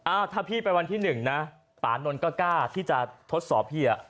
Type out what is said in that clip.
ถ้าพี่ไปวันที่หนึ่งนะปานนท์ก็กล้าที่จะทดสอบพี่อ่ะ